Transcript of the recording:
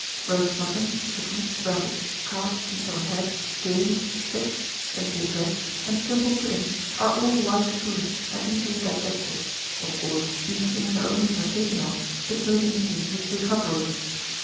1849. Roast mutton, chickens, rabbits, calves' feet or head, game, fish (simply dressed), and simple puddings, are all light food, and easily digested. Of course, these things are only partaken of, supposing the patient is recovering.